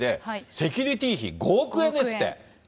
セキュリティー費５億円ですって。